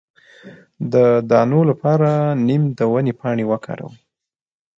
د دانو لپاره د نیم د ونې پاڼې وکاروئ